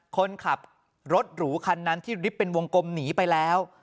คนขับรถหรูคันนั้นที่ริบเป็นวงกลมหนีไปแล้ว